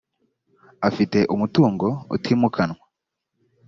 afite umutungo utimukanwa .